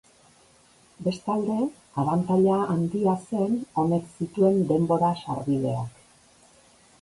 Bestalde, abantaila handia zen, honek zituen denbora sarbideak.